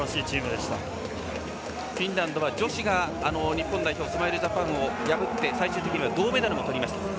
フィンランドは女子が日本代表スマイルジャパンを破り最終的には銅メダルをとりました。